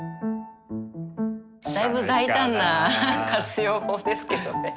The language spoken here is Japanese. だいぶ大胆な活用法ですけどね。